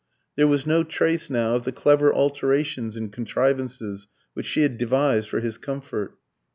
There was no trace now of the clever alterations and contrivances which she had devised for his comfort.